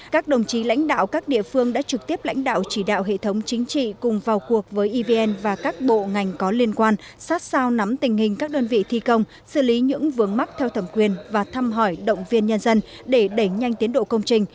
các đồng chí lãnh đạo các địa phương đã trực tiếp lãnh đạo chỉ đạo hệ thống chính trị cùng vào cuộc với evn và các bộ ngành có liên quan sát sao nắm tình hình các đơn vị thi công xử lý những vướng mắc theo thẩm quyền và thăm hỏi động viên nhân dân để đẩy nhanh tiến độ công trình